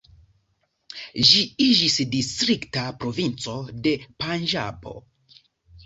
Ĝi iĝis distrikta provinco de Panĝabo.